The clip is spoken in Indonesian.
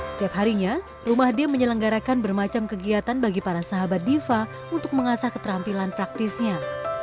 setiap harinya rumah d menyelenggarakan bermacam kegiatan bagi para sahabat diva untuk mengasah keterampilan praktisnya